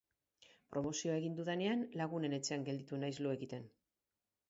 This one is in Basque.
Promozioa egin dudanean, lagunen etxean gelditu naiz lo egiten.